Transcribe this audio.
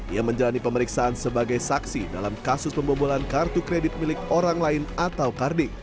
ia menjalani pemeriksaan sebagai saksi dalam kasus pembobolan kartu kredit milik orang lain atau kardi